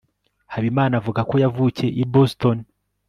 habimana avuga ko yavukiye i boston